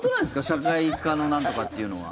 社会科のなんとかっていうのは。